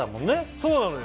そうなのよ。